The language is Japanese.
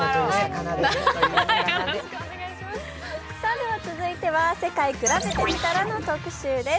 では続いて「世界くらべてみたら」の特集です。